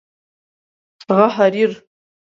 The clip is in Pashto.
هغه حریر